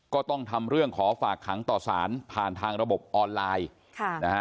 ก็ต้องทำเรื่องขอฝากขังต่อสารผ่านทางระบบออนไลน์ค่ะนะฮะ